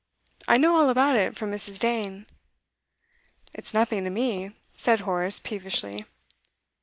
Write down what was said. I know all about it from Mrs. Dane.' 'It's nothing to me,' said Horace peevishly.